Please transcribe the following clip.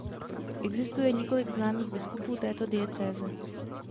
Existuje několik známých biskupů této diecéze.